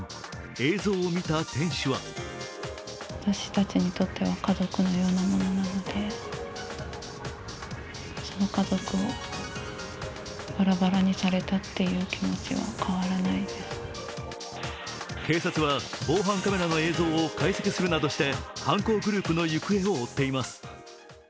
映像を見た店主は警察は防犯カメラの映像を解析するなどして犯行グループの行方を追っています。